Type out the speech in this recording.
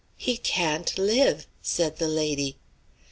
"He can't live," said the lady.